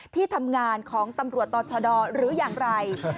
ที่ทำงานของตำรวจต่อชะดอหรืออย่างไร